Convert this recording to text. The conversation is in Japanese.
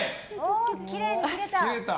きれいに切れた！